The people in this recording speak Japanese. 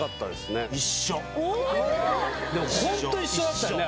ホント一緒だったよね？